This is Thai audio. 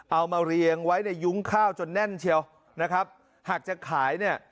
เอามาเรียงไว้ในยุ้งข้าวจนแน่นเชียวนะครับหากจะขายเนี่ย